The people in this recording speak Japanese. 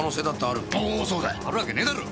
あるわけねえだろ！